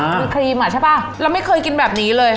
มีครีมอ่ะใช่ป่ะเราไม่เคยกินแบบนี้เลย